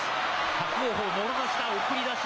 伯桜鵬、もろ差しから送り出し。